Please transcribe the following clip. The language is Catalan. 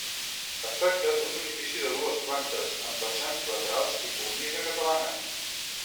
Es tracta d’un edifici de dues plantes, amb vessants a laterals i cornisa catalana.